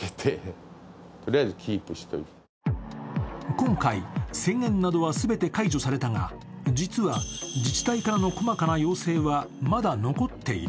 今回、宣言などは全て解除されたが実は自治体からの細かな要請はまだ残っている。